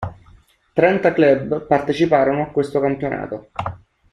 Trenta club parteciparono a questo campionato.